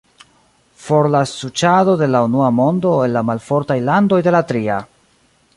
For la suĉado de la unua mondo el la malfortaj landoj de la tria!